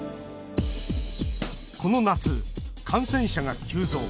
この夏、感染者が急増。